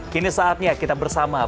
kini saatnya kita bersama